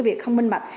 việc không minh mạch